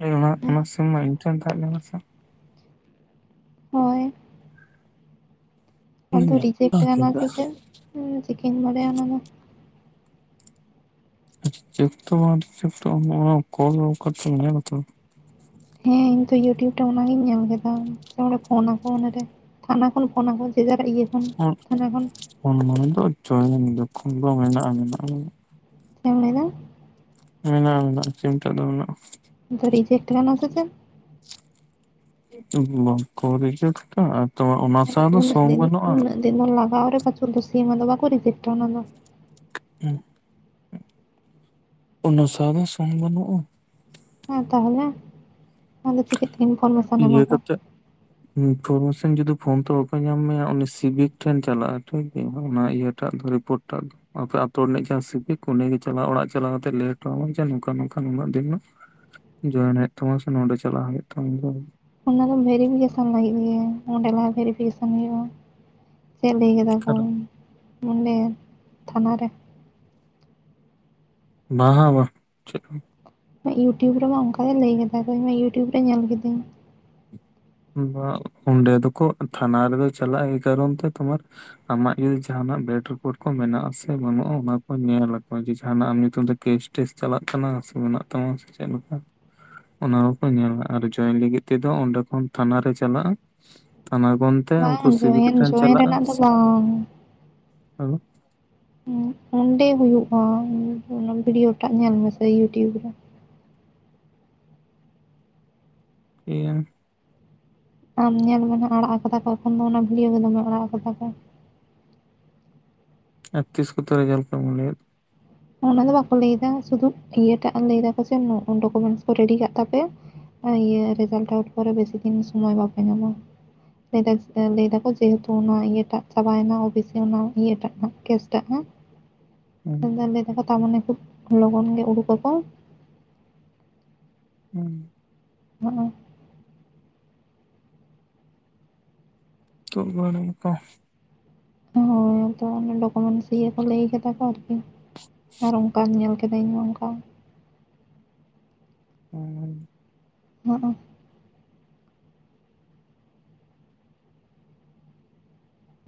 ᱤᱧ ᱢᱟᱢᱟ ᱦᱟᱸᱜ ᱚᱱᱟ ᱥᱤᱢ ᱢᱟ ᱤᱧ ᱴᱷᱮᱱ ᱛᱟᱦᱮᱸ ᱞᱮᱱᱟ ᱥᱮ. ᱦᱳᱭ ᱟᱫᱚ ᱤᱧ ᱨᱤᱡᱮᱠᱴ ᱟᱠᱟ ᱞᱮᱱᱟ ᱠᱮᱫᱟ ᱥᱮ ᱪᱮᱫ ᱦᱚᱸ ᱪᱤᱠᱟᱹᱧ ᱵᱟᱰᱟᱭᱟ ᱚᱱᱟ ᱫᱚ [unintelligible] ᱵᱟᱝ ᱪᱮᱫ ᱦᱚ ᱚᱱᱟ ᱠᱚᱞ ᱠᱟᱛᱮᱢ ᱧᱮ ᱞᱟ ᱛᱚᱵᱮ ᱛᱚ ᱦᱮᱸ ᱤᱧ ᱛᱚ ᱭᱩᱴᱩᱵᱽ ᱨᱮ ᱚᱱᱟᱜᱤᱧ ᱧᱮᱞ ᱟᱠᱟᱫᱟ ᱥᱮ ᱚᱸᱰᱮ ᱯᱷᱳᱱ ᱟᱠᱚ ᱚᱱᱟᱨᱮ ᱴᱟᱱᱟ ᱠᱷᱚᱱ ᱯᱷᱚᱱ ᱟᱠᱚ ᱥᱮ ᱡᱟᱜᱟᱨᱟᱜ ᱤᱭᱟᱹ [unintelligible] ᱛᱷᱟᱱᱟ ᱠᱷᱚᱱ ᱚᱱᱟ ᱫᱚ ᱪᱟᱵᱟᱭᱮᱱᱟ ᱡᱚᱠᱷᱚᱱ ᱵᱚ ᱢᱮᱱᱟ ᱚᱱᱟ ᱫᱚ ᱩᱱ ᱡᱷᱚ. ᱪᱮᱫ ᱮᱢ ᱞᱟᱹᱭᱮᱫᱟ ᱢᱮᱱᱟᱜᱼᱟ ᱢᱮᱱᱟᱜᱼᱟ ᱪᱤᱱᱛᱟᱹ ᱫᱚ ᱢᱮᱱᱟᱜᱼᱟ ᱟᱫᱚ ᱨᱤᱡᱮᱠᱴ ᱟᱠᱟᱱᱟ ᱥᱮ ᱪᱮᱫ ᱵᱟᱠᱚ ᱨᱤᱡᱮᱠᱴ ᱴᱟ ᱛᱚ ᱚᱱᱟ ᱥᱟᱶ ᱫᱚ ᱥᱚᱝ ᱵᱟᱹᱱᱩᱜᱼᱟ ᱡᱮᱢᱳᱱ ᱞᱟᱜᱟᱣ ᱨᱮ ᱵᱟᱪᱩᱜ ᱫᱚ ᱥᱤᱢ ᱟᱫᱚ ᱵᱟᱠᱚ ᱨᱤᱡᱮᱠᱴᱟ ᱚᱱᱟ ᱫᱚ ᱦᱮᱸ ᱚᱱᱟ ᱥᱟᱶ ᱢᱟ ᱥᱚᱝ ᱵᱟᱹᱱᱩᱜᱼᱟ ᱦᱮᱸ ᱛᱟᱦᱚᱞᱮ ᱟᱫᱚ ᱪᱤᱠᱟᱹ ᱛᱮ ᱤᱱᱯᱷᱚᱨᱢᱮᱥᱚᱱ ᱤᱭᱟᱹ ᱮᱢᱟᱠᱚᱣᱟ ᱠᱟᱛᱮᱜ ᱤᱱᱯᱷᱚᱨᱢᱮᱥᱚᱱ ᱡᱩᱫᱤ ᱯᱷᱳᱱ ᱛᱮ ᱵᱟᱠᱚ ᱧᱟᱢ ᱢᱮᱭᱟ ᱩᱱᱤ ᱥᱤᱵᱤᱠ ᱴᱷᱮᱱ ᱪᱟᱞᱟᱜᱼᱟ ᱴᱷᱤᱠ ᱜᱮᱭᱟ ᱚᱱᱟ ᱤᱭᱟᱹᱴᱟᱜ ᱨᱤᱯᱳᱨᱴ ᱴᱟᱜ ᱫᱚ ᱟᱯᱮ ᱟᱹᱛᱩ ᱨᱤᱱᱤᱡ ᱠᱟᱱᱟᱭ ᱥᱤᱵᱤᱠ ᱩᱱᱤ ᱜᱮ ᱪᱟᱞᱟᱣ ᱚᱲᱟᱜ ᱪᱟᱞᱟᱣ ᱟᱛᱮᱫ ᱞᱟᱹᱭ ᱚᱴᱚ ᱟᱢᱟᱭ ᱡᱮ ᱱᱚᱝᱠᱟ ᱱᱚᱝᱠᱟ ᱱᱩᱱᱟᱹᱜ ᱫᱤᱱ ᱨᱮᱱᱟᱜ ᱡᱚᱭᱮᱱ ᱦᱩᱭᱩᱜ ᱛᱟᱢᱟ ᱥᱮ ᱱᱚᱸᱰᱮ ᱪᱟᱞᱟᱣ ᱦᱩᱭᱩᱜ ᱛᱟᱢᱟ ᱚᱱᱟ ᱫᱚ ᱵᱷᱮᱨᱤᱯᱷᱤᱠᱮᱥᱚᱱ ᱞᱟᱹᱜᱤᱫ ᱜᱮ ᱚᱸᱰᱮ ᱞᱟᱦᱟ ᱵᱷᱮᱨᱤᱯᱷᱤᱠᱮᱥᱚᱱ ᱦᱩᱭᱩᱜᱼᱟ ᱪᱮᱫ ᱞᱟᱹᱭ ᱠᱮᱫᱟ ᱠᱚ ᱚᱠᱟᱨᱮ? ᱱᱚᱸᱰᱮ ᱛᱷᱟᱱᱟ ᱨᱮ ᱵᱟᱝ ᱵᱟᱝ ᱪᱮᱫ ᱦᱚᱸ ᱭᱩᱴᱩᱵᱽ ᱨᱮᱢᱟ ᱚᱱᱠᱟ ᱜᱮ ᱞᱟᱹᱭ ᱠᱮᱫᱟᱭ ᱛᱚ ᱤᱧ ᱢᱟ ᱭᱩᱴᱩᱵᱽ ᱨᱮ ᱧᱮᱞ ᱠᱤᱫᱟᱹᱧ ᱵᱟ ᱚᱸᱰᱮ ᱫᱚᱠᱚ ᱛᱷᱟᱱᱟ ᱨᱮᱫᱚᱭ ᱪᱟᱞᱟᱜ ᱜᱮ ᱠᱟᱨᱚᱱ ᱛᱮ ᱛᱚᱢᱟᱨ ᱟᱢᱟᱜ ᱡᱩᱫᱤ ᱡᱟᱦᱱᱟᱜ ᱵᱮᱰ ᱨᱤᱯᱳᱴ ᱠᱚ ᱢᱮᱱᱟᱜ ᱟ ᱥᱮ ᱵᱟᱹᱱᱩᱜᱼᱟ ᱚᱱᱟᱠᱩ ᱧᱮᱞᱟᱠᱚ ᱡᱮᱠᱦᱟ ᱱᱟᱜ ᱟᱢ ᱧᱩᱛᱩᱢ ᱛᱮ ᱠᱮᱥ ᱴᱮᱥ ᱪᱟᱞᱟᱜ ᱠᱟᱱᱟ ᱥᱮ ᱢᱮᱱᱟᱜ ᱛᱟᱢᱟ ᱥᱮ ᱪᱮᱫ ᱞᱮᱠᱟ ᱚᱱᱟ ᱦᱚᱸᱠᱚ ᱧᱮᱞᱟ ᱟᱨ ᱡᱚᱭᱮᱱ ᱞᱟᱹᱜᱤᱫ ᱛᱮᱫᱚ ᱚᱸᱰᱮ ᱠᱷᱚᱱ ᱛᱷᱟᱱᱟ ᱨᱮ ᱪᱟᱞᱟᱜᱼᱟ ᱛᱷᱟᱱᱟ ᱜᱚᱱᱛᱮ ᱩᱱᱠᱩ ᱵᱟᱝ ᱥᱤᱵᱤᱠ ᱡᱚᱭᱮᱱ ᱴᱷᱮᱱ ᱡᱚᱭᱮᱱ ᱪᱟᱞᱟᱜᱼᱟ ᱨᱮᱱᱟᱜ ᱫᱚ ᱥᱤᱵᱤᱠ ᱵᱟᱝ ᱦᱮᱞᱚ ᱚᱸᱰᱮ ᱦᱩᱭᱩᱜᱼᱟ ᱚᱱᱟ ᱵᱤᱰᱭᱳ ᱴᱟᱜ ᱧᱮᱞ ᱢᱮᱥᱮ ᱭᱩᱴᱩᱵᱽ ᱨᱮ ᱮᱭᱟᱝ ᱟᱢ ᱧᱮᱞ ᱢᱮ ᱱᱟᱜ ᱟᱲᱟᱜ ᱟᱠᱟᱫᱟ ᱠᱚ ᱮᱠᱷᱚᱱ ᱫᱚ ᱚᱱᱟ ᱵᱷᱤᱰᱭᱳ ᱜᱮ ᱫᱚᱢᱮ ᱟᱲᱟᱜ ᱠᱟᱫᱟ ᱠᱚ ᱟᱨ ᱛᱤᱥ ᱠᱚᱛᱮ ᱨᱮᱡᱟᱞᱴᱠᱚ ᱮᱢ ᱞᱮᱫ ᱚᱱᱟ ᱫᱚ ᱵᱟᱠᱚ ᱞᱟᱹᱭ ᱫᱟ ᱥᱩᱫᱩ ᱤᱭᱟᱹᱴᱟᱜ ᱞᱟᱹᱭ ᱫᱟᱠᱚ ᱡᱮ ᱰᱚᱠᱚᱢᱮᱱᱴᱥ ᱠᱚ ᱨᱮᱰᱤ ᱠᱟᱜ ᱛᱟᱯᱮ ᱤᱭᱟᱹ ᱨᱡᱟᱞᱴ ᱟᱣᱩᱴ ᱛ ᱯᱳᱨᱮ ᱵᱮᱥᱤ ᱫᱤᱱ ᱥᱚᱢᱚᱭ ᱵᱟᱯᱮ ᱧᱟᱢᱟ ᱞᱟᱹᱭ ᱞᱟᱹᱭ ᱫᱟᱠᱚ ᱡᱮᱦᱮᱛᱩ ᱚᱱᱟ ᱤᱭᱟᱹᱴᱟᱜ ᱪᱟᱵᱟᱭᱮᱱᱟ ᱳᱵᱮᱥᱤ ᱚᱱᱟ ᱤᱭᱟᱹᱴᱟᱜ ᱦᱚᱸ ᱠᱮᱥᱴᱟᱜ ᱦᱚᱸ [unintelligible] ᱞᱟᱹᱭ ᱫᱟᱠᱚ ᱛᱟᱨᱢᱟᱱᱮ ᱠᱷᱩᱵ ᱞᱚᱜᱚᱱ ᱜᱮ ᱩᱰᱩᱠ ᱟ ᱠᱚ ᱦᱩᱸ ᱦᱩ [unintelligible] ᱦᱳᱭ ᱛᱚ ᱰᱚᱠᱢᱮᱱᱥ ᱤᱭᱟᱹ ᱠᱚ ᱞᱟᱹᱭ ᱠᱮᱫᱟ ᱠᱚ ᱟᱨᱠᱤ ᱟᱨ ᱚᱱᱠᱟ ᱧᱮᱞ ᱠᱮᱫ ᱠᱟᱹᱤᱫᱟᱹᱧ ᱱᱚᱝᱠᱟ ᱦ ᱦ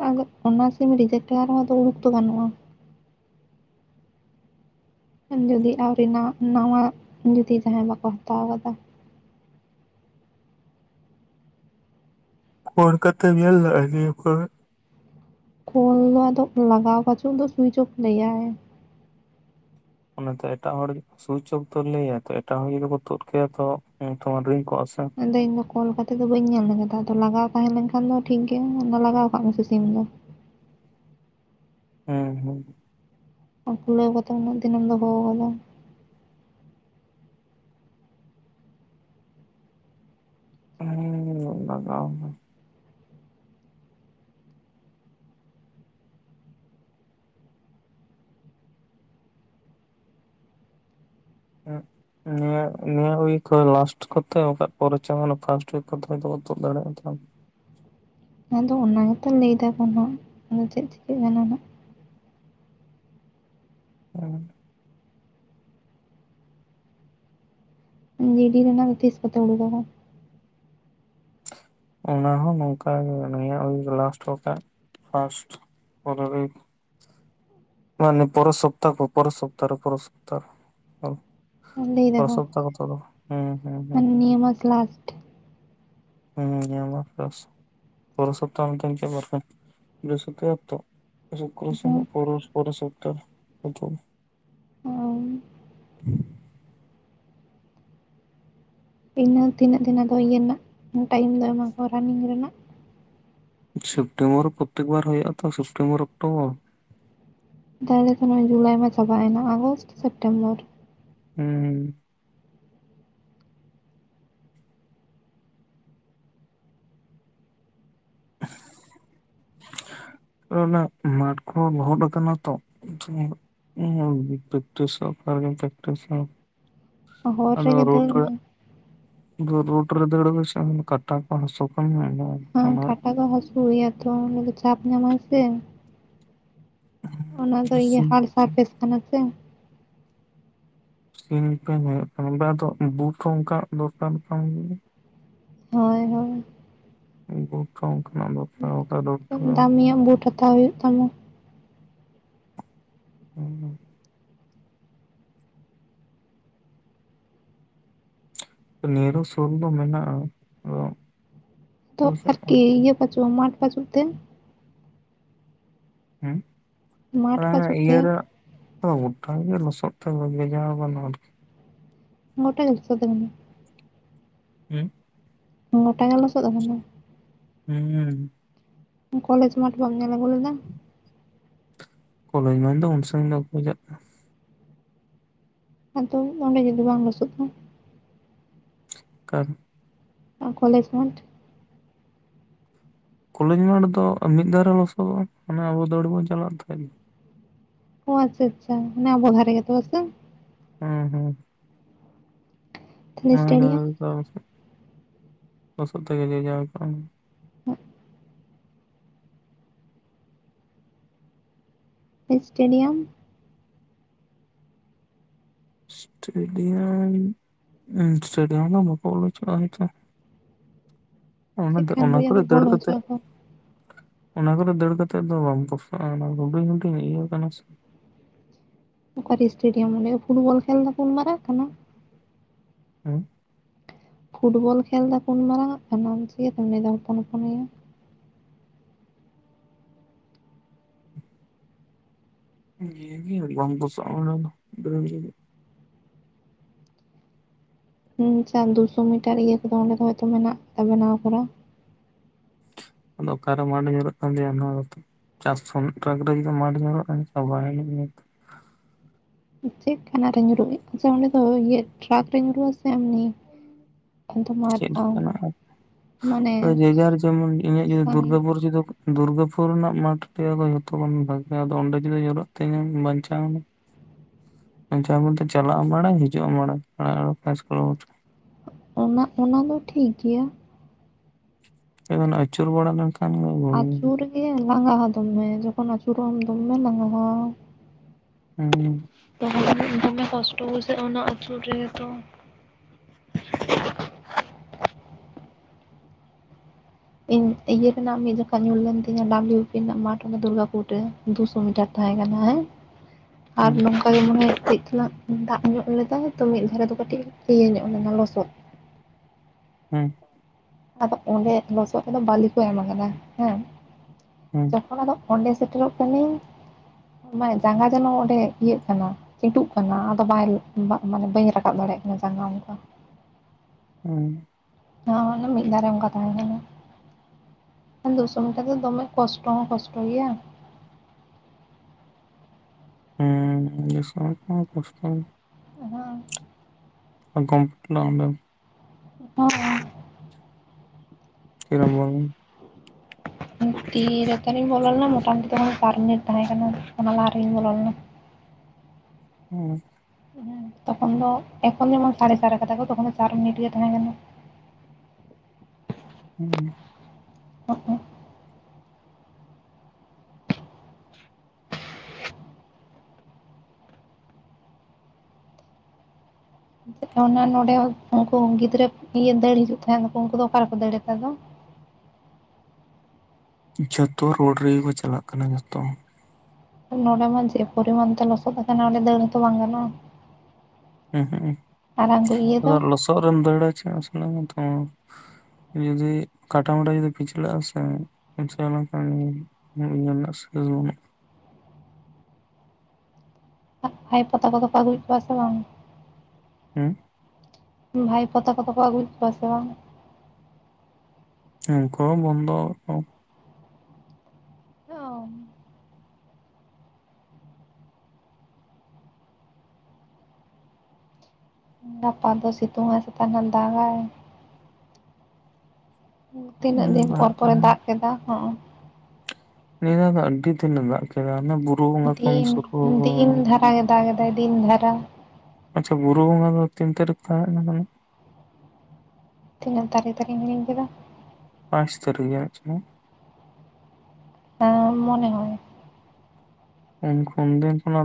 ᱟ ᱚᱱᱟ ᱥᱤᱢ ᱨᱤᱡᱮᱠᱴᱟᱜ ᱨᱮᱦᱚᱸ ᱩᱲᱩᱠ ᱫᱚ ᱜᱟᱱᱚᱜᱼᱟ ᱡᱩᱫᱤ ᱟᱹᱣ ᱨᱮᱱᱟᱜ ᱱᱟᱣᱟ ᱡᱩᱫᱤ ᱡᱟᱦᱟᱸᱭ ᱵᱟᱠᱚ ᱦᱟᱛᱟᱣ ᱟᱠᱟᱫᱟ ᱠᱳᱲ ᱠᱟᱛᱮᱜ ᱧᱮᱞ ᱫᱟᱲᱮᱭᱟ ᱱᱤᱭᱟᱹ ᱠᱚᱨᱮ ᱠᱚᱞ ᱫᱚ ᱟᱫᱚ ᱞᱟᱜᱟᱣ ᱠᱟ ᱪᱚ ᱩᱱᱤ ᱫᱚ ᱥᱩᱭᱤᱪ ᱚᱯᱷ ᱞᱮᱭᱟᱭ ᱚᱱᱟᱛᱮ ᱮᱴᱟᱜ ᱦᱚᱲ ᱥᱩᱭᱤᱪ ᱚᱯᱷ ᱫᱚ ᱞᱟᱹᱭᱟ ᱛᱚ ᱮᱴᱟᱜ ᱦᱚᱸ ᱡᱩᱚᱫᱤ ᱠᱚ ᱛᱩᱫ ᱠᱮᱭᱟ ᱛᱚ ᱛᱢᱟᱨ ᱨᱮᱧ ᱠᱚᱜᱼᱟ ᱥᱮ ᱟᱫᱚ ᱤᱧ ᱫᱚ ᱠᱚᱞ ᱠᱟᱛᱮ ᱫᱚ ᱵᱟᱹᱧ ᱧᱮᱞ ᱟᱠᱟᱫᱟ ᱟᱫᱚ ᱞᱟᱜᱟᱣ ᱛᱟᱦᱮᱸ ᱞᱮᱱᱠᱷᱟᱱ ᱫᱚ ᱴᱷᱤᱠ ᱜᱮᱭᱟ ᱚᱱᱟ ᱞᱟᱜᱟᱣ ᱠᱫ ᱢᱮᱥᱮ ᱥᱤᱢ ᱫᱚ ᱦᱮᱸ ᱦᱮᱸ ᱟᱨ ᱠᱩᱞᱟᱹᱣ ᱠᱟᱛᱮ ᱩᱱᱟᱹᱜ ᱫᱤᱱᱮᱢ ᱫᱚᱦᱚ ᱠᱟᱫᱟ ᱦᱸ ᱞᱟᱜᱟᱣ ᱢᱮ ᱦᱮᱸ ᱱᱤᱭᱟᱹ ᱱᱤᱭᱟᱹ ᱩᱭᱤᱠ ᱞᱟᱥᱴ ᱠᱚᱛᱮ ᱯᱚᱨᱪᱟ ᱯᱷᱟᱥᱴ ᱩᱭᱤᱠ ᱠᱚᱫᱚ ᱛᱩᱫ ᱫᱟᱲᱮᱭᱟᱜᱼᱟ ᱛᱚ ᱟᱫᱚ ᱚᱱᱟ ᱜᱮᱛᱢ ᱞᱟᱹᱭ ᱮᱟᱠᱚᱱᱜ ᱟᱫᱚ ᱪᱮᱫ ᱪᱤᱠᱟᱹᱜ ᱠᱟᱱᱟ ᱦᱟᱸ ᱦᱩᱸ ᱡᱤ ᱰᱤ ᱨᱮᱱᱟᱝ ᱛᱤᱥ ᱠᱚᱛᱮ ᱩᱰᱩᱠ ᱫᱟᱲᱮᱭᱟ ᱚᱱᱟ ᱦᱚᱸ ᱱᱚᱝᱠᱟ ᱜᱮ ᱱᱤᱭᱟᱹ ᱩᱭᱤᱠ ᱞᱟᱥᱴ ᱵᱟᱝᱠᱷᱟᱱ ᱯᱷᱟᱥᱴ ᱯᱚᱨᱮᱨ ᱩᱭᱤᱠ ᱢᱟᱱᱮ ᱯᱚᱨ ᱥᱯᱛᱟᱦᱚ ᱯᱚᱨ ᱥᱚᱯᱟᱦ ᱨᱮ ᱯᱚᱨ ᱥᱚᱛᱟᱦᱚ ᱨᱮ ᱞᱟᱹᱭ ᱯᱨ ᱫᱟᱠᱚ ᱥᱚᱯᱛᱟᱦ ᱠᱟᱛᱷᱟ ᱫᱚ ᱦᱮᱸ ᱦᱮᱸ ᱦ ᱢᱟᱱᱮ ᱱᱤᱭᱟᱹ ᱢᱟᱥ ᱞᱟᱥᱴ ᱦᱩᱸᱱᱤᱭᱟᱹ ᱢᱟᱥ ᱞᱟᱥᱴ ᱯᱩᱨᱮ ᱥᱚᱯᱛᱟᱦ ᱤᱱᱠᱟᱹᱤᱱᱠᱟᱹ ᱵᱟᱨᱯᱮ ᱵᱤᱨᱚᱥᱯᱚᱛᱤᱵᱟᱨ ᱛᱚ ᱥᱩᱠᱽᱨᱚ ᱥᱩᱱᱤ ᱯᱚᱨᱮ ᱯᱚᱨᱮ ᱥᱚᱯᱛᱟᱦᱚ ᱱᱤᱛᱚᱜ ᱦᱚᱸ ᱤᱱᱟᱹ ᱛᱤᱱᱟᱹᱜ ᱫᱤᱱ ᱫᱚ ᱤᱭᱟᱹ ᱨᱮᱱᱟᱜ ᱴᱟᱭᱤᱢ ᱫᱚ ᱮᱢᱟ ᱠᱚᱣᱟ ᱨᱟᱱᱤᱝ ᱨᱮᱱᱟᱜ ᱥᱮᱯᱴᱮᱢᱵᱚᱨ ᱯᱨᱚᱛᱮᱠ ᱵᱟᱨ ᱦᱩᱭᱩᱜᱼᱟ ᱛᱚ ᱥᱮᱯᱴᱮᱢᱵᱚᱨ ᱚᱠᱴᱳᱵᱚᱨ ᱛᱟᱦᱚᱞᱮ ᱥᱮ ᱱᱚᱭ ᱡᱩᱞᱟᱭ ᱢᱟ ᱪᱟᱵᱟᱭᱮᱱᱟ ᱟᱜᱚᱥᱴ ᱥᱮᱯᱴᱮᱢᱵᱚᱨ ᱦᱮᱸ [unintelligible] ᱚᱱᱟ ᱢᱟᱴ ᱠᱚᱦᱚ ᱞᱚᱦᱚᱫ ᱠᱟᱱᱟ ᱛᱚ ᱯᱮᱠᱴᱤᱥ ᱦᱚ ᱚᱠᱟ ᱨᱮᱜᱮᱢ ᱯᱮᱠᱴᱤᱥᱼᱟ ᱦᱚᱨ ᱟᱫᱚ ᱨᱮᱜᱮ ᱨᱚᱰ ᱫᱟᱹᱲ ᱨᱮ ᱢᱮ ᱨᱳᱰ ᱨᱮ ᱫᱳᱲ ᱫᱚᱥᱮ ᱠᱟᱴᱟ ᱠᱚ ᱦᱟᱥᱚ ᱠᱟᱱᱟ ᱦᱮ ᱚᱱᱟ ᱠᱟᱴᱟ ᱠᱚ ᱦᱟᱹᱥᱩ ᱜᱮᱭᱟ ᱛᱚ ᱚᱸᱰᱮ ᱫᱚ ᱪᱟᱯ ᱧᱟᱢᱟᱭ ᱥᱮ ᱚᱱᱟ ᱫᱚ ᱤᱭᱟᱹ ᱥᱤᱢ ᱦᱟᱲ ᱥᱟᱨᱯᱷᱮᱥ ᱠᱟᱱᱟ ᱥᱮ ᱥᱤᱢᱴᱚᱢ ᱦᱩᱭᱩᱜ ᱠᱟᱱᱟ ᱵᱟ ᱟᱫᱚ ᱵᱩᱴ ᱦᱚᱸ ᱚᱱᱠᱟ ᱫᱚᱨᱠᱟᱨ ᱠᱟᱱ ᱜᱮᱭᱟ ᱦᱳᱭ ᱦᱳᱭ ᱵᱩᱴ ᱦᱚᱸ ᱚᱱᱠᱟᱱᱟᱜ ᱫᱚᱨᱠᱟᱨ ᱵᱟᱠᱷᱟᱡ ᱫᱚ [unintelligible] ᱱᱤᱭᱟᱹ ᱵᱩᱴ ᱦᱟᱛᱟᱣ ᱦᱩᱭᱩᱜ ᱛᱟᱢᱟ ᱦᱩᱸᱩᱸ ᱱᱮᱨᱳ ᱥᱩᱴ ᱫᱚ ᱢᱮᱱᱟᱜ-ᱟ ᱟᱫᱚ ᱛᱚ ᱟᱨᱠᱤ ᱤᱭᱟᱹ ᱯᱟᱹᱪᱩᱜ ᱢᱟᱴᱷ ᱯᱟᱹᱪᱩᱜ ᱛᱮ ᱦᱮᱸ ᱢᱟᱴᱷ ᱯᱟᱹᱪᱩᱜ ᱛᱮ ᱤᱭᱟᱹ ᱟᱨ ᱚ ᱜᱚᱴᱟ ᱜᱮ ᱞᱚᱥᱚᱫ ᱛᱮ ᱵᱮᱡᱵᱮᱡᱟ ᱠᱟᱱᱟ ᱟᱨᱠᱤ ᱢᱚᱴᱟ ᱜᱮ ᱞᱚᱥᱚᱫ ᱠᱟᱱᱟ ᱦᱮᱸ ᱜᱚᱴᱟ ᱜᱮ ᱞᱚᱥᱚᱫ ᱟᱠᱟᱱᱟ ᱦᱩᱸ ᱦᱩᱸ ᱠᱚᱞᱮᱡ ᱢᱟᱴᱷᱚ ᱵᱟᱢ ᱧᱮᱞ ᱟᱹᱜᱩ ᱞᱮᱫᱟ ᱠᱚᱞᱮᱡ ᱢᱟᱴᱷᱚ ᱫᱚ ᱩᱱ ᱥᱟᱹᱜᱤᱧ ᱫᱚ ᱚᱠᱚᱭ ᱪᱟᱜ ᱠᱟᱱᱟ ᱟᱫᱚ ᱚᱸᱰᱮ ᱡᱩᱫᱤ ᱵᱟᱝ ᱞᱚᱥᱚᱫ ᱟ ᱠᱟᱴ ᱠᱚᱞᱮᱡ ᱢᱟᱴᱷᱚ ᱠᱚᱞᱮᱡ ᱢᱟᱴᱷᱚ ᱫᱚ ᱢᱤᱫ ᱫᱷᱟᱣ ᱨᱮ ᱞᱚᱥᱚᱫᱚᱜ ᱟ ᱢᱟᱱᱮ ᱟᱵᱚ ᱫᱟᱹᱲ ᱵᱚᱱ ᱪᱟᱞᱟᱜ ᱛᱟᱦᱮᱸᱡ ᱚᱸ ᱟᱪᱪᱷᱟ ᱟᱪᱪᱷᱟ ᱢᱟᱱᱮ ᱟᱵᱚ ᱫᱷᱟᱨᱮ ᱜᱮᱛᱚ ᱦᱮᱥᱮ ᱦᱮᱸ ᱦᱮᱸ ᱛᱟᱦᱞᱮ ᱥᱴᱮᱰᱤᱭᱟᱢ [unintelligible] ᱞᱚᱥᱚᱜ ᱛᱮᱜᱮ [unintelligible] ᱠᱚᱜ ᱟᱢ [inaudible] ᱮᱥᱴᱮᱰᱤᱭᱟᱢ ᱮᱥᱴᱮᱰᱤᱭᱟᱢ ᱮᱥᱴᱮᱰᱤᱭᱟᱢ ᱫᱚ ᱵᱟᱠᱚ ᱵᱚᱞᱚ ᱦᱚᱪᱚᱣᱟᱜ ᱟ ᱦᱚᱭᱛᱚ ᱚᱱᱟ ᱪᱮᱫ ᱠᱟᱱ ᱚᱱᱟ ᱵᱚᱭᱦᱟ ᱠᱚᱨᱮ ᱫᱚ ᱫᱟᱹᱲ ᱵᱚᱞ ᱠᱟᱛᱮ ᱦᱚᱪᱚᱣᱟᱠᱚ ᱚᱱᱟ ᱠᱚᱨᱮ ᱫᱟᱹᱲ ᱠᱟᱛᱮᱜ ᱫᱚ ᱵᱟᱢ ᱯᱚᱥᱟᱜ ᱟ ᱚᱱᱟ ᱦᱩᱰᱤᱧ ᱦᱩᱰᱤᱧ ᱤᱭᱟᱹ ᱠᱟᱱᱟ ᱥᱮ ᱚᱠᱟ ᱨᱮ ᱮᱥᱴᱮᱰᱤᱭᱟᱢ ᱨᱮ ᱯᱷᱩᱴᱵᱚᱞ ᱠᱷᱮᱞ ᱫᱟᱠᱚ ᱩᱱ ᱢᱟᱨᱟᱝ ᱠᱟᱱᱟ ᱦᱮᱸ ᱯᱷᱩᱴᱵᱚᱞ ᱠᱷᱮᱞ ᱫᱟᱠᱚ ᱩᱱ ᱢᱟᱨᱟᱝ ᱟᱜ ᱠᱟᱱᱟ ᱟᱢ ᱪᱤᱠᱟᱹᱛᱮᱢ ᱞᱟᱹᱭ ᱫᱟ ᱦᱚᱯᱚᱱ ᱦᱚᱯᱚᱱ ᱜᱮᱭᱟ ᱤᱭᱟᱹ ᱜᱤ ᱵᱟᱢ ᱯᱚᱥᱟᱜ ᱟ ᱚᱱᱟ ᱫᱚ ᱫᱟᱹᱲ ᱨᱮᱫᱚ ᱦᱮ ᱥᱟᱨ ᱫᱩᱥᱚ ᱢᱤᱴᱟᱨ ᱤᱭᱟᱹ ᱠᱚᱫᱚ ᱚᱸᱰᱮ ᱫᱚ ᱦᱚᱭᱛᱚ ᱢᱮᱱᱟᱜ ᱠᱟᱫᱟ ᱵᱮᱱᱟᱣ ᱠᱚᱨᱟ ᱟᱫᱚ ᱚᱠᱟᱨᱮ ᱢᱟᱴᱷᱚ ᱧᱩᱨᱚᱜ ᱠᱟᱱ ᱛᱤᱧᱟ ᱱᱚᱣᱟ ᱠᱚᱫᱚ ᱪᱟᱥ ᱥᱚᱱᱴᱨᱟᱠ ᱵᱟᱹᱦᱤ ᱠᱷᱚᱱ ᱢᱟᱴᱷᱚ ᱧᱮᱞᱚᱜ ᱟ ᱪᱟᱵᱟᱭ [unintelligible] ᱪᱮᱜ ᱠᱟᱱᱟᱜ ᱨᱮ ᱧᱩᱨᱩᱜ ᱜᱤ ᱟᱪᱪᱷᱟ ᱚᱸᱰᱮ ᱫᱚ ᱤᱭᱟᱹ ᱴᱨᱟᱠ ᱨᱮ ᱧᱩᱨᱩᱜ ᱟ ᱥᱮ ᱮᱢᱱᱤ ᱛᱳᱢᱟᱨ ᱪᱮᱫ ᱞᱮᱠᱟᱱᱟᱜ ᱢᱟᱱᱮ ᱡᱮᱡᱟᱨ ᱡᱮᱢᱚᱱ ᱤᱧᱟᱹᱜ ᱡᱩᱫᱤ ᱥᱟᱺᱜᱤᱧ ᱫᱩᱨᱜᱟᱹᱯᱩᱨ ᱡᱩᱫᱤ ᱫᱩᱨᱜᱟᱹᱯᱩᱨ ᱨᱮᱱᱟᱜ ᱢᱟᱴᱷ ᱞᱮᱭᱟ ᱠᱚ ᱡᱷᱚᱛᱚ ᱠᱷᱚᱱ ᱵᱷᱟᱜᱮᱭᱟ ᱟᱫᱚ ᱚᱸᱰᱮ ᱡᱩᱫᱤ ᱧᱩᱨᱚᱜ ᱛᱤᱧᱟ ᱵᱟᱧᱪᱟᱣ ᱱᱤᱧ ᱵᱟᱧᱪᱟᱣ ᱵᱚᱞᱛᱮ ᱪᱟᱞᱟᱜ ᱟᱢ ᱢᱟᱲᱟᱝ ᱦᱤᱡᱩᱜ ᱟᱢ ᱢᱟᱲᱟᱝ ᱯᱟᱸᱪ ᱠᱤᱞᱳᱢᱤᱴᱟᱨ ᱚᱱᱟ ᱚᱱᱟ ᱫᱚ ᱴᱷᱤᱠ ᱜᱮᱭᱟ ᱟᱫᱚ ᱱᱟᱜ ᱟᱹᱪᱩᱨ ᱵᱟᱲᱟ ᱞᱮᱱᱠᱷᱟᱱ ᱜᱮ ᱦᱩᱸ ᱟᱹᱪᱩᱨᱜᱮ ᱞᱟᱸᱜᱟᱜ ᱟ ᱫᱚᱢᱮ ᱡᱚᱠᱷᱚᱱ ᱟᱹᱪᱩᱨᱚᱜ ᱟᱢ ᱫᱚᱢᱮ ᱞᱟᱸᱜᱟᱣᱟ ᱦᱩᱸ ᱫᱚᱢᱮ ᱠᱟᱹᱴᱤᱡ ᱫᱚᱢᱮ ᱠᱚᱥᱴᱚ ᱵᱩᱡᱷᱟᱹᱜ ᱟ ᱚᱱᱟ ᱟᱹᱪᱩᱨ ᱨᱮᱜᱮ ᱛᱚ ᱤᱧ ᱤᱭᱟᱹ ᱨᱮᱱᱟᱜ ᱢᱤᱜ ᱡᱚᱠᱷᱟᱜ ᱧᱩᱨ ᱞᱮᱱ ᱛᱤᱧᱟᱹ ᱰᱟᱵᱞᱩᱵᱤᱯᱤ ᱨᱮᱱᱟᱜ ᱢᱟᱴᱷᱚ ᱚᱰᱮ ᱫᱩᱨᱜᱟᱯᱩᱨ ᱨᱮ ᱫᱩᱥᱚ ᱢᱤᱴᱟᱨ ᱛᱟᱦᱮᱸ ᱠᱟᱱᱟ ᱦᱮᱸ [inaudible] ᱟᱨ ᱱᱚᱝᱠᱟ [unintelligible] ᱫᱟᱜ ᱧᱚᱜ ᱞᱮᱫᱟᱭ ᱛᱚ ᱢᱤᱫ ᱫᱷᱟᱨᱮ ᱫᱚ ᱠᱟᱹᱴᱤᱡ ᱤᱭᱟᱹ ᱧᱚᱜ ᱞᱮᱱᱟ ᱞᱚᱥᱚᱫ ᱾ ᱦᱩᱸ ᱟᱫᱚ ᱚᱸᱰᱮ ᱞᱚᱥᱚᱫ ᱨᱮᱫᱚ ᱵᱟᱹᱞᱤ ᱠᱚ ᱮᱢ ᱠᱟᱫᱟ ᱦᱮᱸ ᱦᱩᱸ ᱚᱱᱟ ᱫᱚ ᱚᱸᱰᱮ ᱥᱮᱴᱮᱨᱚᱜ ᱠᱟᱹᱱᱤᱧ ᱢᱟᱱᱮ ᱡᱟᱸᱜᱟ ᱡᱮᱱᱚ ᱚᱸᱰᱮ ᱤᱭᱟᱹᱜ ᱠᱟᱱᱟ ᱪᱤᱸᱴᱚᱜ ᱠᱟᱱᱟ ᱟᱫᱚ ᱵᱟᱭ ᱢᱟᱱᱮ ᱵᱟᱹᱧ ᱨᱟᱠᱟᱵ ᱫᱟᱲᱮᱭᱟᱜ ᱠᱟᱱᱟ ᱡᱟᱸᱜᱟ ᱚᱱᱠᱟ ᱾ ᱦᱩᱸ [unintelligible] ᱚᱱᱟ ᱫᱚ ᱢᱤᱫ ᱫᱷᱟᱨᱮ ᱚᱱᱠᱟ ᱛᱟᱦᱮᱸ ᱠᱟᱱᱟ ᱾ ᱫᱩᱥᱚ [unintelligible] ᱫᱚᱢᱮ ᱠᱚᱥᱴᱚ ᱦᱚᱸ ᱠᱚᱥᱴᱚ ᱜᱮᱭᱟ ᱾ ᱦᱩᱸ ᱫᱩᱥᱚ [unintelligible] ᱫᱚ ᱠᱚᱥᱴᱚ [unintelligible] [unintelligible] ᱚᱸᱰᱮᱢ [unintelligible] ᱛᱤᱨᱮᱢ ᱵᱚᱞᱚᱱ ᱛᱤ ᱨᱮᱛᱚ ᱞᱤᱧ ᱵᱚᱞᱚ ᱞᱮᱱᱟ ᱢᱚᱴᱟ-ᱢᱚᱴᱤ ᱛᱚᱠᱷᱚᱱ ᱵᱟᱨ ᱢᱤᱱᱤᱴ ᱛᱟᱦᱮᱸ ᱠᱟᱱᱟ ᱚᱱᱟ ᱞᱟᱦᱟ ᱨᱮᱜᱤᱧ ᱵᱚᱞᱚ ᱞᱮᱱᱟ ᱾ ᱦᱮᱸ ᱦᱮ ᱛᱚᱠᱷᱚᱱ ᱫᱚ, ᱮᱠᱷᱚᱱ ᱡᱮᱢᱚᱱ ᱥᱟᱲᱮ ᱪᱟᱨ ᱠᱟᱫᱟ ᱠᱚ ᱛᱚᱠᱷᱚᱱ ᱫᱚ ᱪᱟᱨ ᱢᱤᱱᱤᱴ ᱜᱮ ᱛᱟᱦᱮᱸ ᱠᱟᱱᱟ ᱾ ᱦᱩᱸ [unintelligible] ᱚᱱᱟ ᱱᱚᱸᱰᱮ ᱩᱱᱠᱩ ᱜᱤᱫᱽᱨᱟᱹ ᱤᱭᱟᱹ ᱫᱟᱹᱲ ᱦᱤᱡᱩᱜ ᱛᱟᱦᱮᱸᱱᱟᱠᱚ ᱩᱱᱠᱩ ᱫᱚ ᱚᱠᱟ ᱨᱮᱠᱚ ᱫᱟᱹᱲ ᱮᱫᱟ ᱫᱚ? ᱡᱚᱛᱚ ᱨᱚᱰ ᱨᱮᱜᱮ ᱠᱚ ᱪᱟᱞᱟᱜ ᱠᱟᱱᱟ ᱡᱚᱛᱚ ᱾ ᱱᱚᱸᱰᱮ ᱢᱟ ᱡᱮ ᱯᱚᱨᱤᱢᱟᱱ ᱛᱮ ᱞᱚᱥᱚᱫ ᱟᱠᱟᱱᱟ ᱱᱚᱸᱰᱮ ᱫᱟᱹᱲ ᱦᱚᱸᱛᱚ ᱵᱟᱝ ᱜᱟᱱᱚᱜᱼᱟ [unintelligible] ᱟᱨᱟᱝ ᱠᱚ ᱤᱭᱟᱹ ᱫᱚ [unintelligible] ᱨᱮᱢ ᱫᱟᱹᱲᱟ ᱪᱟᱱᱥ [unintelligible] ᱛᱟᱢᱟ ᱡᱩᱫᱤ ᱠᱟᱴᱟ ᱢᱟᱴᱟ ᱡᱩᱫᱤ ᱯᱤᱪᱞᱟᱹᱜᱼᱟ ᱥᱮ ᱯᱤᱪᱟᱹᱣ ᱞᱮᱱᱠᱷᱟᱱ [unintelligible] ᱵᱟᱱᱩᱜ-ᱟ ᱦᱟᱭ ᱯᱟᱛᱟ ᱠᱚᱫᱚ ᱚᱠ ᱟᱹᱜᱩ ᱭᱮᱫ ᱠᱚᱣᱟ ᱥᱮ ᱵᱟᱝ? [unintelligible] ᱵᱷᱟᱭᱤ ᱯᱚᱛᱛᱟ ᱠᱚᱫᱚ ᱠᱚ ᱟᱹᱜᱩᱭᱮᱫ ᱠᱚᱣᱟ ᱥᱮ ᱵᱟᱝ? ᱩᱱᱠᱚ ᱦᱚᱸ ᱵᱚᱱᱫᱚ [unintelligible] ᱜᱟᱯᱟ ᱫᱚ ᱥᱤᱛᱩᱝᱟᱭ ᱥᱮ ᱥᱮᱛᱟᱜ ᱠᱷᱚᱡ ᱫᱟᱜᱟᱭ? ᱛᱤᱱᱟᱹᱜ ᱫᱤᱱ ᱯᱚᱨ ᱫᱟᱜ ᱯᱚᱨᱮ ᱫᱟᱜ ᱠᱮᱫᱟ? [unintelligible] ᱟᱹᱰᱤ ᱫᱤᱱ ᱮ ᱫᱟᱜ ᱠᱮᱫᱟ ᱵᱚᱸᱜᱟ ᱠᱷᱚᱱ ᱫᱤᱱ ᱥᱩᱨᱩ ᱫᱤᱱ ᱫᱷᱟᱨᱟ ᱜᱮ ᱫᱟᱜ ᱠᱮᱫᱟᱭ ᱫᱤᱱ ᱫᱷᱟᱨᱟ ᱾ ᱟᱪᱪᱷᱟ ᱵᱩᱨᱩ ᱵᱚᱸᱜᱟ ᱫᱚ ᱛᱤᱱ ᱛᱟᱹᱨᱤᱠ ᱛᱟᱦᱮᱸ ᱠᱟᱱᱟ? ᱛᱤᱱᱟᱹᱜ ᱛᱟᱹᱨᱤᱠ [unintelligible] ᱦᱤᱲᱤᱧ ᱠᱮᱫᱟ ᱾ ᱯᱟᱸᱪ ᱛᱟᱹᱨᱤᱠᱷ ᱜᱮᱪᱚ ᱢᱚᱱᱮ ᱦᱚ ᱩᱱ ᱠᱷᱚᱱᱮ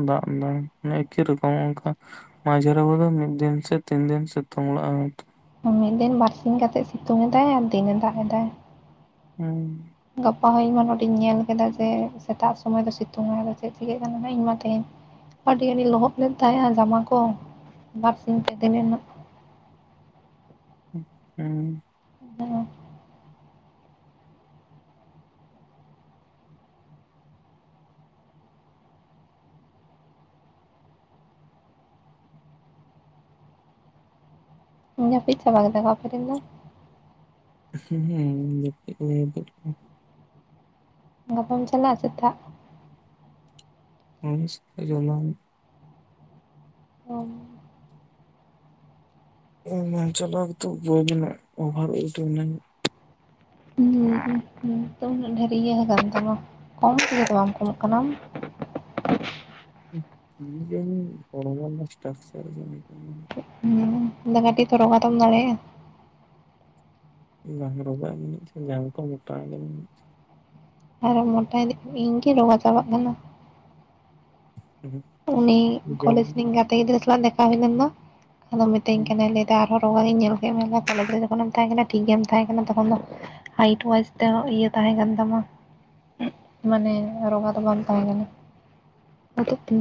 ᱫᱟᱜ ᱫᱟᱭ ᱮᱠᱤ ᱨᱚᱠᱚᱢ ᱚᱱᱠᱟ ᱢᱟᱡᱷᱤᱮ ᱨᱮ [unintelligible] ᱢᱤᱫ ᱫᱤᱱ ᱥᱮ ᱛᱤᱱ ᱫᱤᱱ ᱥᱤᱛᱩᱝ ᱞᱟᱜᱼᱟᱭ ᱢᱤᱫ ᱫᱤᱱ ᱵᱟᱨᱥᱤᱧ ᱠᱟᱛᱮᱜ ᱥᱤᱛᱩᱝ ᱮᱫᱟᱭ ᱟᱨ ᱫᱤᱱᱮ ᱫᱟᱜ ᱮᱫᱟᱭ ᱾ ᱦᱮᱸ ᱜᱟᱯᱟ ᱦᱚᱸ ᱤᱧᱢᱟ ᱱᱚᱸᱰᱮᱧ ᱧᱮᱞ ᱠᱮᱫᱟ ᱡᱮ ᱥᱮᱛᱟᱜ ᱥᱚᱢᱚᱭ ᱫᱚ ᱥᱤᱛᱩᱝ ᱟᱭ ᱟᱫᱚ ᱪᱮᱫ ᱪᱤᱠᱟᱹᱜ ᱠᱟᱱᱟ ᱤᱧ ᱢᱟ ᱛᱮᱦᱮᱧ ᱟᱹᱰᱤ ᱟᱹᱰᱤ ᱞᱚᱦᱚᱫ ᱞᱮᱱ ᱛᱟᱦᱮᱸᱼᱟ ᱡᱟᱢᱟ ᱠᱚ ᱵᱟᱨ ᱥᱤᱧ ᱛᱮᱜᱮ ᱦᱩᱸ ᱡᱟᱹᱯᱤᱫ ᱪᱟᱵᱟ ᱠᱮᱫᱟ ᱠᱚ ᱟᱯᱮ ᱨᱮᱱ ᱫᱚ? ᱦᱮᱸ ᱡᱟᱹᱯᱤᱫ ᱦᱩᱭ ᱟᱠᱟᱫ ᱠᱚ ᱜᱟᱯᱟᱢ ᱪᱟᱞᱟᱜᱼᱟ ᱥᱮᱛᱟᱜ? [unintelligible] ᱤᱧ ᱢᱟ ᱪᱟᱞᱟᱣ ᱛᱚ ᱵᱟᱹᱧ [unintelligible] ᱚᱵᱷᱟᱨ ᱰᱤᱭᱩᱴᱤ ᱢᱮᱱᱟᱹᱧ ᱦᱩᱸ ᱦᱩᱸ ᱛᱚ ᱩᱱᱟᱹᱜ ᱰᱷᱮᱨ ᱤᱭᱟᱹ ᱟᱠᱟᱱ ᱛᱟᱢᱟ ᱠᱚᱢ ᱛᱮᱜᱮ ᱫᱚ ᱵᱟᱝ ᱠᱚᱢᱚᱜ ᱠᱟᱱᱟ ᱟᱢ ᱠᱤ ᱡᱟᱱᱤ ᱦᱚᱲᱢᱚ ᱨᱮ ᱫᱚ ᱪᱮᱠᱟ ᱛᱮᱪᱚ [unintelligible] ᱼᱼ ᱟᱫᱚ ᱠᱟᱴᱤᱡ ᱛᱚ ᱨᱚᱜᱟ ᱛᱚᱢ ᱫᱟᱲᱮᱭᱟᱜᱼᱟ ᱵᱟᱝ ᱨᱚᱜᱟᱜ ᱟᱹᱧ ᱡᱟᱱᱤᱡ ᱡᱟᱝ ᱠᱚ ᱢᱳᱴᱟ ᱟᱠᱟᱱᱟᱹᱧ ᱟᱨ ᱢᱳᱴᱟ ᱤᱫᱤ ᱤᱧᱜᱮ ᱨᱚᱜᱟ ᱪᱟᱵᱟᱜ ᱠᱟᱱᱟ ᱩᱱᱤ ᱠᱚᱞᱮᱡᱽ ᱨᱮᱱᱤᱧ ᱜᱟᱛᱮ ᱜᱤᱫᱽᱨᱟᱹ ᱥᱟᱞᱟᱜ ᱫᱮᱠᱷᱟ ᱦᱩᱭ ᱞᱮᱱ ᱫᱚ ᱟᱫᱚ ᱢᱤᱛᱟᱹᱧ ᱠᱟᱱᱟᱭ ᱟᱨᱦᱚᱸ ᱨᱚᱜᱟ ᱜᱤᱧ ᱧᱮᱞ ᱠᱮᱫ ᱢᱮ ᱫᱚ ᱠᱚᱞᱮᱡᱽ ᱨᱮ ᱡᱚᱠᱷᱚᱱᱮᱢ ᱛᱟᱦᱮᱸ ᱠᱟᱱᱟ ᱴᱷᱤᱠ ᱜᱮᱢ ᱛᱟᱦᱮᱸ ᱠᱟᱱᱟ ᱛᱚᱠᱷᱚᱱ ᱫᱚ ᱦᱟᱭᱤᱴ ᱢᱚᱡᱽ ᱛᱮ ᱤᱭᱟᱹ ᱛᱟᱦᱮᱸ ᱠᱟᱱ ᱛᱟᱢᱟ ᱢᱟᱱᱮ ᱨᱚᱜᱟ ᱫᱚ ᱵᱟᱢ ᱛᱟᱦᱮᱸ ᱠᱟᱱᱟ ᱮᱠᱷᱚᱱ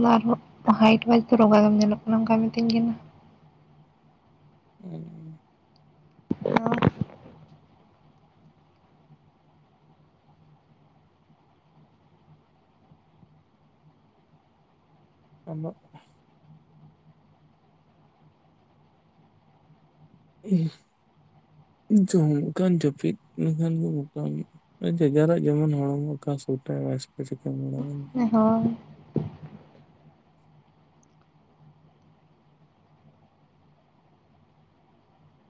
ᱫᱚ ᱟᱨᱦᱚᱸ ᱦᱟᱭᱤᱴ ᱚᱣᱟᱭᱤᱡ ᱫᱚ ᱨᱚᱜᱜᱟ ᱫᱚᱢ ᱧᱮᱞᱚᱜ ᱠᱟᱱᱟ ᱚᱱᱠᱟᱭ ᱢᱤᱛᱟᱹᱧ ᱠᱟᱱᱟᱭ ᱩᱸᱻ [inaudible] ᱚᱞᱚᱜ ᱤᱧ ᱡᱚᱢ ᱞᱮᱠᱷᱟᱱ ᱡᱟᱹᱯᱤᱫ ᱞᱮᱠᱷᱟᱱ ᱜᱮ ᱢᱚᱴᱟ ᱟᱹᱧ ᱡᱮ ᱡᱟᱨᱟᱜ ᱡᱮᱢᱚᱱ ᱦᱚᱲᱢᱚ ᱚᱠᱟ ᱥᱩᱴᱟ ᱚᱠᱟ ᱵᱟᱭ [unintelligible] ᱪᱤᱠᱟᱹᱢ ᱵᱟᱲᱟᱭᱟ ᱾ ᱦᱮᱸ ᱦᱳᱭ ᱾